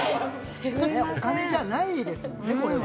お金じゃないですもんね、これは。